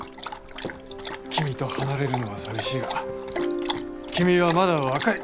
君と離れるのは寂しいが君はまだ若い。